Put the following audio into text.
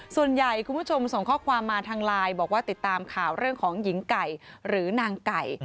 คุณผู้ชมส่งข้อความมาทางไลน์บอกว่าติดตามข่าวเรื่องของหญิงไก่หรือนางไก่